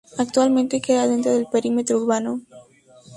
Actualmente queda dentro del perímetro urbano.